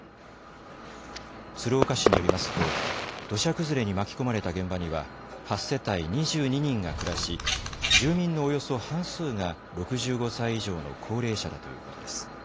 鶴岡市によりますと土砂崩れに巻き込まれた現場には８世帯２２人が暮らし住民のおよそ半数が６５歳以上の高齢者だということです。